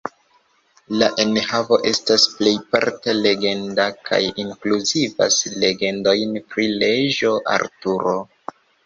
La enhavo estas plejparte legenda, kaj inkluzivas legendojn pri Reĝo Arturo.